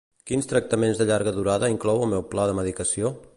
Quins tractaments de llarga durada inclou el meu pla de medicació?